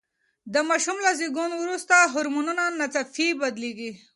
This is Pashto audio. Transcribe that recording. د ماشوم له زېږون وروسته هورمونونه ناڅاپي بدلیږي.